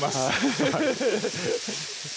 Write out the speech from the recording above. フフフフッ